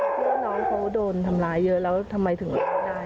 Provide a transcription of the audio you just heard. รู้สึกแปลกไก่มันคือว่าน้องเขาโดนทำลายเยอะแล้วทำไมถึงไม่ได้อะไรอย่างนี้ค่ะ